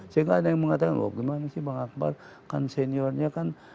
saya tidak ada yang mengatakan wah gimana sih bang akbar kan seniornya kan